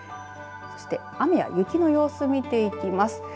そして雨や雪の様子見ていきます。